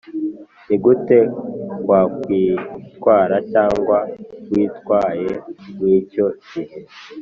Ni gute wakwitwara cyangwa witwaye mwicyo gihe?